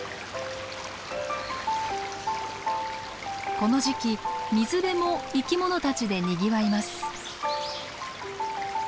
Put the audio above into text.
この時期水辺も生き物たちでにぎわいます。